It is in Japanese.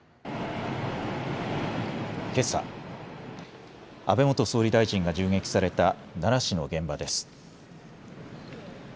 けさ、安倍元総理大臣が銃撃された奈良市の現場です。